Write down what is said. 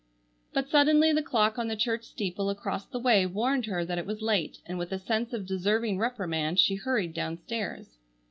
But suddenly the clock on the church steeple across the way warned her that it was late, and with a sense of deserving reprimand she hurried downstairs.